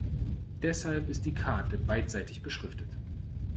Deshalb ist die Karte beidseitig beschriftet.